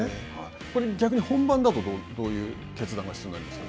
これ、逆に本番だとどういう決断が必要になりますか。